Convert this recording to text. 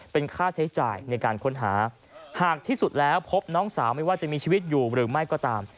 เป็นค่าใช้จ่ายในการค้นหาหากที่สุดแล้วพบน้องสาวไม่ว่าจะมีชีวิตอยู่หรือไม่ก็ตาม